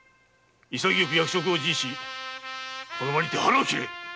潔く役職を辞しこの場にて腹を切れ。